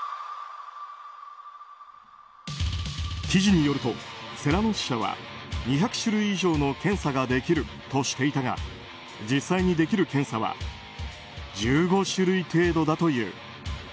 記事によると、セラノス社は２００種類以上の検査ができるとしていたが実際にできる検査は１５種類程度だという。